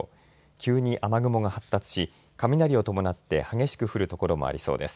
急に雨雲が発達し雷を伴って激しく降る所もありそうです。